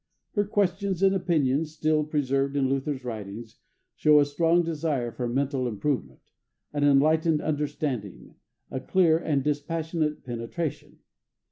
Her questions and opinions, still preserved in Luther's writings, show a strong desire for mental improvement, an enlightened understanding, a clear and dispassionate penetration.